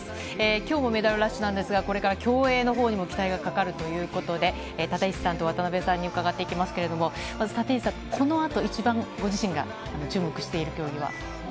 きょうもメダルラッシュなんですが、これから競泳のほうにも期待がかかるということで、立石さんと渡辺さんに伺っていきますけれども、まず立石さん、このあと一番ご自身が注目している競技は？